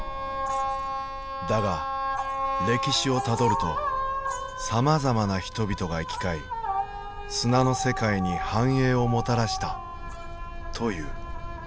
だが歴史をたどるとさまざまな人々が行き交い砂の世界に繁栄をもたらしたという。